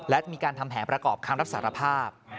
และจะมีการทำแผนประกอบคำรับสารภาพ